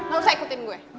gak usah ikutin gue